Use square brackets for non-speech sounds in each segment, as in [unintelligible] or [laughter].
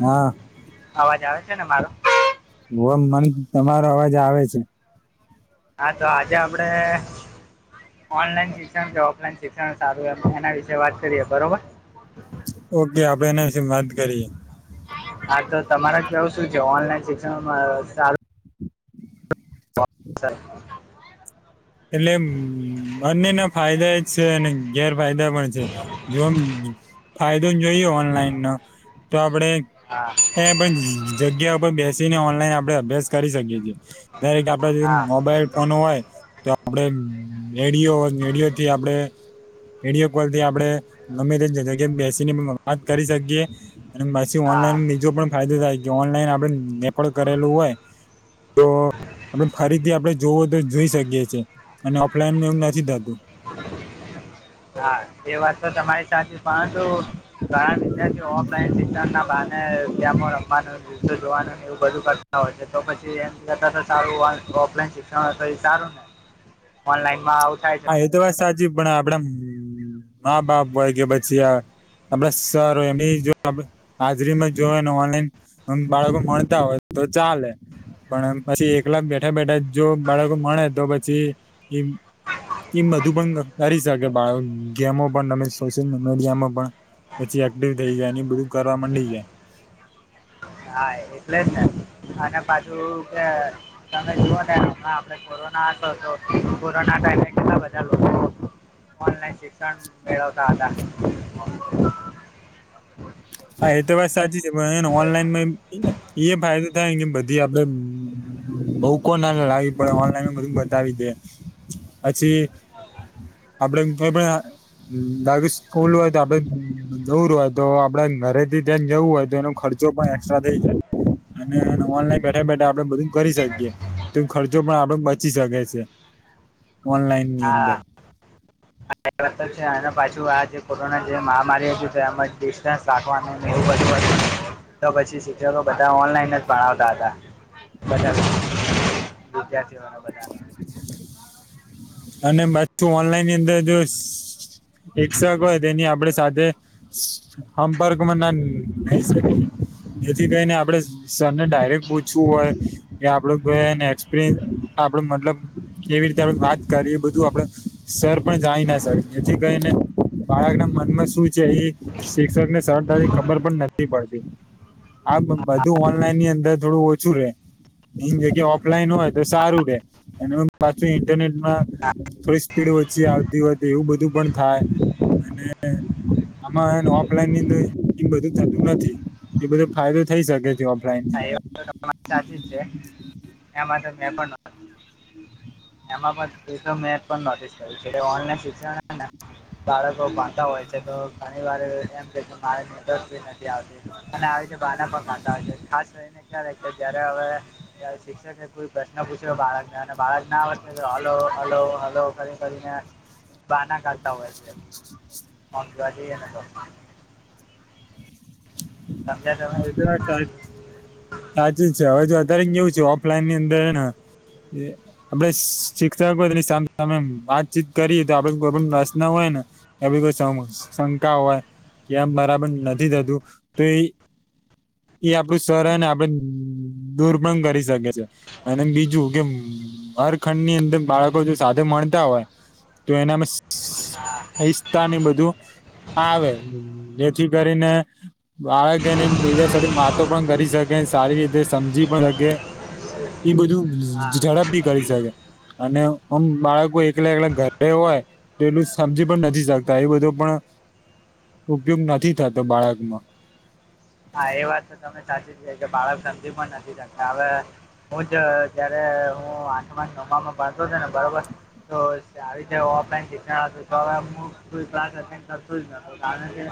હા અવાજ આવે છે ને મારો હો મને તમારો અવાજ આવે છે હા તો આજે આપડે ઓનલાઈન શિક્ષણ કે ઓફલાઈન શિક્ષણ સારું એના વિશે વાત કરીએ બરોબર ઓકે આપડે એના વિશે વાંધ કરીએ હા તો તમારા કેવું શું છે ઓનલાઈન શિક્ષણમાં સાાય એટલે બંનેના ફાયદા જ છે અને ગેરફાયદા પણ છે જેમ ફાયદો જોઈએ ઓનલાઈન નો તો આપડે હા એ પણ જગ્યા પર બેસીને ઓનલાઈન આપડણે અભ્યાસ કરી શકીએ છીએ દરેક આપડે જે હા મોબાઈલ ફોન હોય આપડે રેડિયો રેડિયો થી આપડે વિડયો કોલ થી આપણે ગમે તે જગ્યા બેસીને પણ વાત કરી શકીએ અને પછી હા ઓનલાઈન બીજો પણ ફાયદો થાય કે ઓનલાઈન આપડે રેકોર્ડ કરેલું હોય તો આપ ફરીથી આપડે જોવું તો જોઈ શકીએ છીએ અને ઓફલાઈનને એવું નથી થતું હા એ વાત તો તમારી સાથેચ પરંતુ ઘણા વિદ્યાર્થીઓ ઓફલાઈન બાને રમાં રમવાનો દિવસ જોવાનું એવું બધું કરતા હોય છે તો પછી એમ કરતા તો સારું ઓફલાઈન શિક્ષણ એ સારું ને ઓનલાઈનમાં આવું થાય છે હા એ તો વાત સાચી પણ આપડા મા બાપ હોય કે પછી આપડે સારું એમ જો હાજરીમાં જોને ઓનલાઈન અને બાળકો મળતા હોય તો ચાલે પણ પછી એકલા બેઠા બેઠા જો બાળકો મળે તો પછી એ એ બધું પણ કરી શકે બાળ ગેમો પણ તમે સોશિયલ મીડિયામાં પણ પછી એક્ટિવ થઈ જાય એ બધું કરવા માંડી જાય હા એટલે જ અને બાજુ કે તમે જોવોને હમ આપે કોરોના તો કોરોના ટાઈમે કેટલા બધા લોકો ઓનલાઈન શિક્ષણ મેળવતા હતા હ [inaudible] હા એ તો વાત સાચી છેને ઓનલાઈન એ ફાયદો થાય કે બધી આપડે બઉ કો ના લાવી પડે, ઓનલાઈન બધું બતાવી દે પછી. આપડે ખલું હોય તો આપડે દવર હોય તો [unintelligible] આપડા ઘરે થી જરાક જવું હોય તો એનો ખર્ચો પણ એક્સ્ટ્રા થઈ જાય. અને ઓનલાઈન બેઠા બેઠા આપડે બધું કરી શકીએ. તો ખર્ચો પણ આપડે બચી શકે છે ઓનલાઈન ની હા અંદર છે અને પાછું આ જે કોરોના જે મહામારી હતી તેજ ડિસ્ટન્સ રાખ વ તો પછી શિક્ષકો બધા ઓનલાઈન જ ભણાવતા હતા બધા વિદ્યાર્થીઓને ઓ [inaudible] અને બધુ ઓનલાઈન ની અંદર જો એ્રાય તેની આપડે સાથે સંપર્કમાં ના જેથી કરીને, આપણે સરને ડાયરેક્ટ પૂછવું હોય. એ આપડું એક્સપરય આપડે મતલબ કેવી રીતે આપ વાત કરીએ બધું આપડે સર પણ જાયના સર જેથી કરીને બાળક ના મનમાં શું છે એ શિક્ષકને સરળતાથી ખબર પણ નથી પડતી. આ બધું ઓનલાઈનની અંદર થોડું ઓછું રે. જગ્યા ઓફલાઈન હોય તો સારું રે અને પાછું ઇન્ટરનેટમાં થોડી સ્પીડ ઓચી આવતી હોય એવું બધું પણ થાય અને આમાં ઓફલાઈન બધું થતું નથી એ બધો ફાયદો થઈ શકે છે. ઓફલાઈનની હા, એ અંદર વાત તો તમારી સાચી જ છે એમાં તો મેં પણ એમાં પણ મે પણ નોટિસ કરી છે ઓનલાઇન શિક્ષણને બાળકો બાતા હોય છે તો ઘણી વાર એમ કે મારે નોટસ બી નથી આવતી. અને આવી રીતે બાના પણ ખાતા હોય છે ખાસ કરીને ક્યાય કે જયારે હવે યાર શિક્ષકે એ કોઈ પ્રશ્ન પૂછ્યો બાળકને અને બાળક ના આવ હલો હલો હલો કરી કરીને બાના કાઢતા હોય છે મોવા જઈએ ને તો. સમજ્યા હ, તમે એબી વાત તારી સાચું જ છે હવે જો અત્યારે કેવું છે ઓફલાઈન ની અંદર આપડે શિક્ષકો હોય તેની સામે સામે વાતચીત કરીએ તો આપડે કોઈ પણ રસ ના હોય ને. એ કોઈ શંકા હોય કે આમ બરાબર નથી થતું તો ઈ એ આપણું સરહ અને આપડ દૂર પણ કરી શકે છે. અને બીજું કે હરખંડની અંદર બાળકો જો સાથે મળતા હોય. તો એનામે હીસ્તા ની બધું આવે જેથી કરીને બાળક એને બીજા સાથે વાતો પણ કરી શકે સારી રીતે સમજી પણ શકે‌. એ બધું હા ઝડપથી કરી શકે. અને આમ બાળકો એકલા એકલા ઘરપે હોય. પલું સમજી પણ નથી શકતા એ બધો પણ ઉપયોગ નથી થતો બાળકમાં. હા, એ વાત તો તમે સાચી છે કે બાળક સમજી પણ નથી શકતા હવે હું જ ત્યારે હું આઠમા નવમાં ભણતો તો ને બરોબર તો આવીતે ઓફલાઈન હત તો હવે હું કોઈ ક્લાસ અટેન્ડ કરતો જ ન. કારણ કે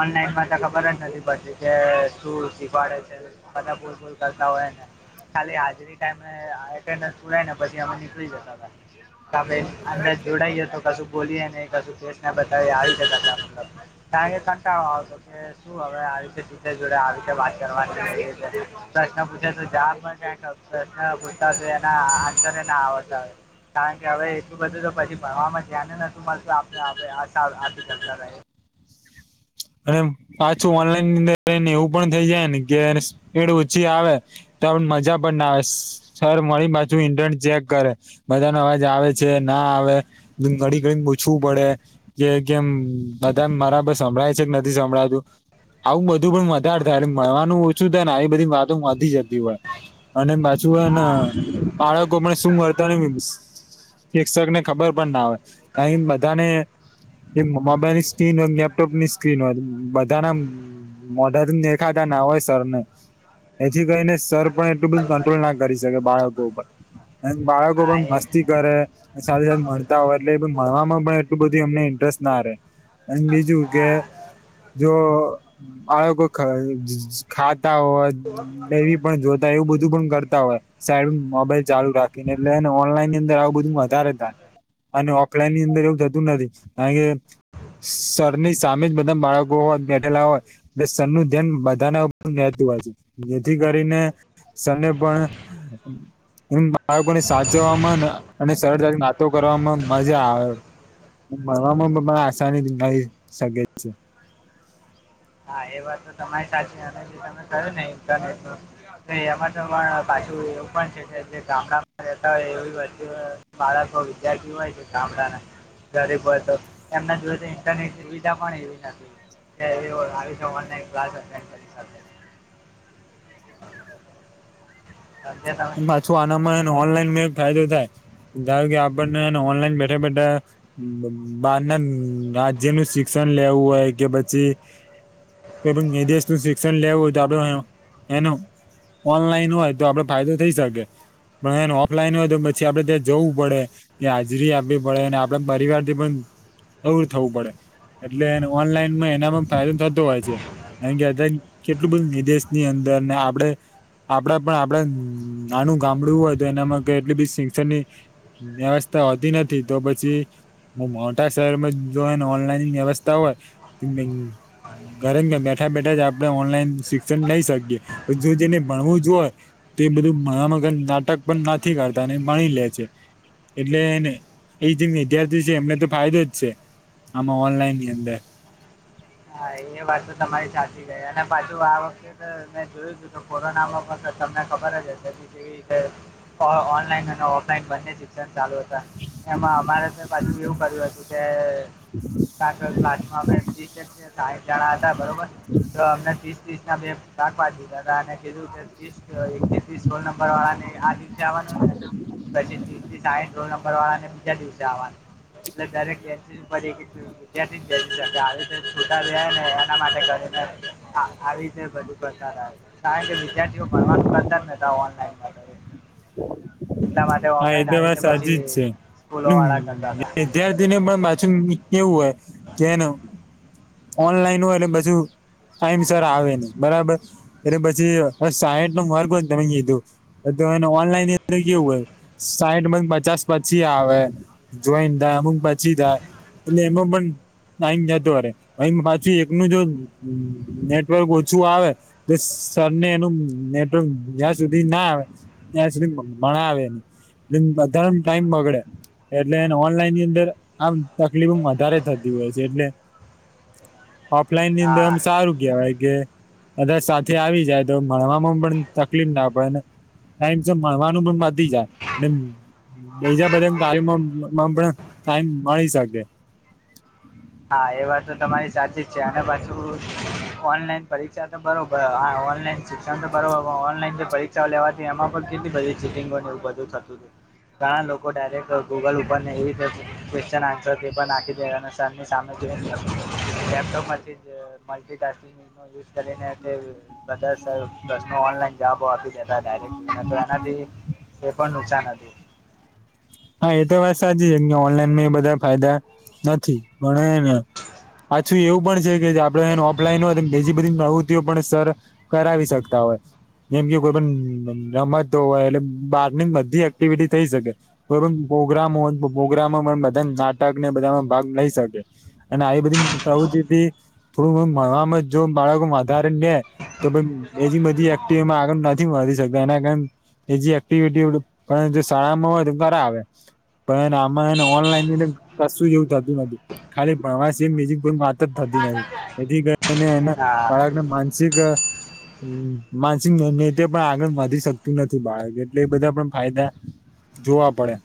ઓનલાઈનમાં તો ખબર જ નથી પડતી. જે સુર શીખવાડે છે બધા ભૂલ ભૂલ કરતા હોયે ને. ખાલી હાજરી ટાઈમે અટેન્ડન્સ પુરાય ને પછી અમે નીકળી જતા હતા. અમે જોડાઈએ તો કશું બોલીએ ને કશું કેસ ના બતાવીએ આવી જ મતલબ. [unintelligible] કે શું હવે આવી જોડે આવી રીતે વાત કરવાની પ્રશ્ન પૂછે તો જ ક પ્રશ્ન પૂછતા એના આન્સરે ના આવડતા. કારણ કે હવે એટલું બધું તો પછી ભણવામાં જ્યા ને નતું મળતું આપ આપ અને પાછું ઓનલાઈનની અંદરને એવું પણ થઈ જાય ને કે સ્પીડ ઓછી આવે. ત મજા પણ ના આવે સર મળી પાછું ઇન્ટર ચેક કરે [unintelligible] મજાનો અવાજ આવે છે ના આવે ઘડી ઘડીને પૂછવું પડે કે કેમ બધા મારા બ સંભળાય છે કે નથી સંભળાતું [unintelligible] આવું બધું પણ વધારે થાય એટલે મળવાનું ઓછું થાય ને એ બધી વાતો વધી જતી હોય અને પાછું હેના હા બાળકો પણ શું મળતા ની શિક્ષક ને ખબર પણ ના હોય ક બધાને એ મોબાઈલની સ્ક્રીન લેપટોપની સ્ક્રીન હોય બધાના મોઢા દેખાતા ના હોય સરને. એથી કરીને સર પણ એટલું બધું કંટ્રોલ ના કરી શકે બાળકો ઉપર અને બાળકો હા પણ એજ મસ્તી ને કરે સાથે સાથે મળતા હોય એટલે એ પણ ભણવામાં પણ બધું એમને ઇન્ટરેસ્ટ ના રે અને બીજું કે હા. જો આળ ખાતા હો નવી પણ જોતા એવું બધું પણ કરતા હોય સાઈડ મોબાઈલ ચાલુ રાખીને એટલે ઓનલાઈનની અંદર આવું બધું વધારે અને ઓકલા ની અંદર એવું થતું નથી કારણ કે સર તમે જ બધા બાળકો હોય બેઠેલા હોય એટ સન નું ધ્યાન બધાના ઉપર નતું હોય છે જેથી કરીને સરને પણ એમ બાળકો ને સાચવવામાં ને અને સરળતાથી નાતો કરવામાં મજા આવે મળવામાંને આસાની મળી શકે છે હા એ વાત તો તમારી સાચી અને જે તમે કરો ને ઇરનેટ એમાં તો પણ પાછું એવું પણ છે કે જે ગામડામાં બેતા હોય એવી વસ્તીુ માળ તો વિદ્યાર્થી હોય છે ગામડાના ગરીબ હોય તો એમના જોડે તો ઇન્ટરનેટ સુવિધા પણ એવી નથી એ આવી સવાના અત સાજે તમે શું આનામાંને ઓનલાઈનમાં ફાયદો થાય ધારો કે આપણને ઓનલાઈન બેઠા બેઠા. બાર ના રાજ્ય ન શિક્ષણ લેવું હોય કે પછી. તો નિદેશ નું શિક્ષણ લેવું હોય તો આપડે એનું ઓનલાઈન હોય તો આપડે ફાયદો થઈ શકે પણ એને ઓફલાઈન હોય તો પછી આપડે ત્યાં જવું પડે. એ હાજરી આપવી પડે અને આપડ પરિવાર થી પણ દવર થવું પડે એટલે ઓનલાઈનમાં એનામાં ફાયદો થતો હોય છે. એ કેતા કેટલું બધું વિદેશ ની અંદર ને આપડે આપડા પણ આપડ આનું ગામડું હોય તો એનામાં એટલી બ શિક્ષણ વ્યવસ્થા હોતી નથી તો પછી. હ મોટા શહેરમાં જોને ઓનલાઈન વ્યવસ્થા હોય તો ઘરે ઘર બેઠા બેઠા જ આપડણે ઓનલાઈન શિક્ષણ લઈ શકીએ જો જેને ભણવું જ હોય. તે બધું મગર નાટક પણ ના કાઢતા માણી લે છે. એટલેને એ જે વિદ્યાર્થી છે એમને તો ફાયદો જ છે. આમાં ઓનલાઇન અંદર હા એ વાતો તમારી સાચી ગઈ અને પાછું આ વખતે મેં જોયું હતું તો કોરોનામાં પણ તમને ખબર જ હ. એવી રીતે ઓનલાઈન અને ઓફલાઈન બંને જ. ચાલુ એમાં અમારે પાછું એવું કર્યું હતું કે પાછળ ક્લાસ માં ઈ છે ને સાહીઠ જણા હતા બરોબર તો અમને ત્રીસ ત્રીસ ના બે શાક પા દીધા હતા અને કીધું કે એક થીસ સોળ નંબર વાળા ને આ દિવસે આવવાનું ને પછીથી સા રો નંબર અને બીજા દિવસે આવવાની. એટલે દરેક એ પડી વિદ્યારથી જ આવે છૂતા જાય ને એના માટે કરીને આવી રીતે બધું પસાર આવે કારણ કે વિદ્યાર્થીઓ ભણવાનું કરતા જ ને ત ઓનલાઈન એટલા માટે હા એ ઓફલાઈન તો આવી વાર રીતે સાચ જ પછી છે સ્કૂલો વાળા કરતા હતા હ જ્યાં પણ પાછું કેવું હોય જેને ઓનલાઈન હોય એટછું. [unintelligible] ટાઈમ સર આવે ને બરાબર. એટલે પછી સાઈઠ નો માર્ગ હો તમે કીધું. ઓનલાઈન અદર કેવું હોય સાઠ બંધ પચાસ પછી આવે જોઈન થાય અમુક પાછી થાય એટલે એમાં પણ નામ જતો અરે અછી એકનું જો નેટવર્ક ઓછું આવે એ સરને એનું નેટવર્ક જ્યાં સુધી ના આવે ત્યાં સુધી મણા આવે ને બધા ટાઈમ બગડે એટલે એને ઓનલાઈન ની અંદર આમ તકલીફ વધારે થતી હોય છે એટલે ઓફલાઈન ની અંદર, હા એમ સારું. કવાય કે બધા સાથે આવી જાય તો ભણવામાં પણ તકલીફ ના પડેને ટાઈમ છે મળણવાનું પણ બાંધી જાય. બીજા બધા કારમાં પણ ટાઈમ મળી શકે. હા એ વાત તો તમારી સાચી જ છે અને પાછું ઓનલાઈન પરીક્ષા તો બરોબર ઓનલાઈન શિક્ષણ તો કર ઓનલાઈન જે પરીક્ષાઓ લેવાથી એમાં પણ કેટલી બધી ચીટીિંગોની ઉપર થતું હતું ઘણા લોકો ડાયરેક્ટ ગૂગલ ઉપર એવી ક્વેશ્ચન આં સર તે પણ નાખી દેવા અને સરની સામે જોઈને લેપટોપમાંથી જ મલ્ટિટાસ્કિંગ યુઝ કરીને તે બધા પ્રશ્નો ઓનલાઈન જવાબો આપી દેતા ડાયરેક્ટ જોઈને તો એનાથી એ પણ નુકસાન હતી. હા એ તો વાત સાચી છે કે ઓનલાઈનમાં એ બધા ફાયદા નથી ભણ ને પાછું એવું પણ છે કે આપડે એ ઓફલાઈન હોય બીજી બધી પ્રવૂત્તિઓ પણ સર કરાવી શકતા હોય. જેમ કે કોઈ પણ રમતતો હોય એટલે બહારની બધી એક્ટિવિટી થઇ શકે. પ્રોગ્રામ પ્રોગ્રામમાં બધા નાટક ને બધામાં ભાગ લઈ શકે. અને આવી બધી કુંથી થોડુંણવામાં જો બાળકો વધારેને તો ભ એ જ બધી એક્ટિવ એમાં આગળ નથી મળી શકતા એના કારણે એજી એક્ટિવિટી જો શાળામાં હોય તો કરાવે પણ આમાંને ઓનલાઈન કશું જે એવું થતું નથી. ખાલી ભણવાસી બીજી કોઈ વાત જ થતી નથી એથી એના હા બાળકને માનસિક હ માનસિક નૈત્ય પણ આગળ વધી શકતું નથી બાળક એટલે એ બધા પણ ફાયદા જોવા પડે.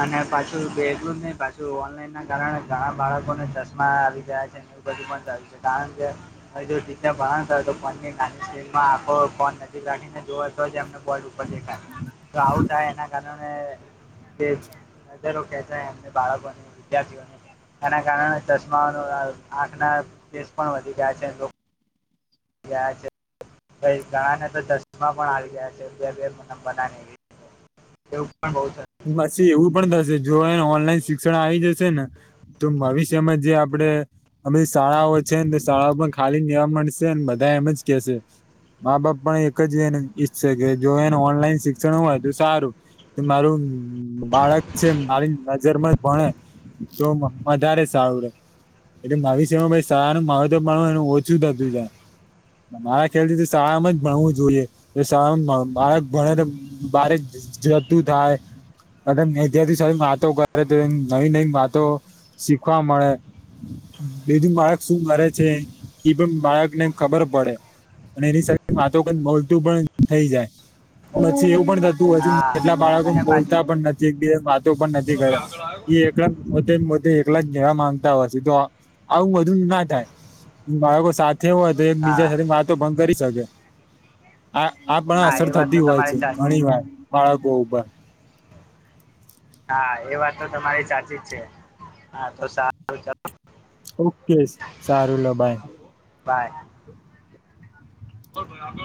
અને પાછું બેગું નહ પાછું ઓનલાઈન ના કારણે ઘણા બાળકોને ચશ્મા આવી ગયા છે. એવ બધું પણ સારીું છે કારણ કે હવેી ભણ તો ફોનની નાની સ્ક્રિનમાં આખો ફોન રાખીને જો એમ ડર તો આવું થાય એના કારણે જ નજરો કેતા એમને બાળકોને વિદ્યાર્થીઓને એના કારણે ચશ્માનો આંખના કેસ પણ વધી ગયા છે. ગયા છે પ ઘણા ને તો ચશ્મા પણ આવી ગયા છે બે બે નંબર ના. એવું પણ બહુ સું. પછી એવું પણ થશે જો એને ઓનલાઈન શિક્ષણ આવી જશે ને તો ભવિષ્યમાં જે આપડે અમે શાળાઓ છે ને તો શાળાઓ પણ ખાલી નવા મળશે બધા એમ જ કેશે મા બાપ પણ એક જ એ ઈચ્છે કે જો એને ઓનલાઈન શિક્ષણ હોય તો સારું. [unintelligible] બાળક છે મારી નજર જ ભણે તો વધારે સારું રે. એટલે માવિષ્યમાં સારું મા તો પણ એ ઓછું થતું છે. મારા ખ્યાલ થી શાળામાં જ ભણવું જોઈએ શાળામાં બાળ ભણે તો બારે જતું થાય ત્યારથી સ વાતો કરે તો એ નવી નવી વાતો શીખવા મળે બીજું બાળક શું મરે છે એ પણ બાળક ને એમ ખબર પડે અને એની સાથે વાતો ક બલતું પણ થઈ જાય પછી એવું પણ થ હ હા કેટલા બાળકો અને પાછું બોલતા પણ નથી વાતો પણ નથી બોલો કરતા. ભાઈ આગળ આવ્યો એકલા પોતેતે એકલા જ જવા માંગતા હોય છે તો આવું બધુ ના થાય. બાળકો સાથે હોય તો એક બીજા હા સાથે વાતો ભંગ કરી શકે. આ આ પણ હા અસર એ વાત તો થતી હોય છે તમારી સાચી ઘણી વાર બાળકો ઉપર. હા એ વાત તો તમારી સાચી જ છે. હા તો સારું. ચાલો ઓકે સારું લ બાય બાય આપળ